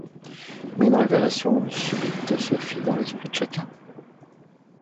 Mais une révélation subite se fit dans l’esprit de chacun.